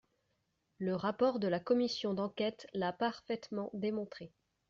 Le rapport de la commission d’enquête l’a parfaitement démontré.